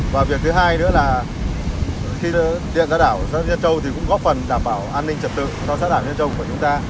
và việc thứ hai nữa là khi tiện xã đảo xã nhân trong thì cũng góp phần đảm bảo an ninh trật tự cho xã đảo nhân trong của chúng ta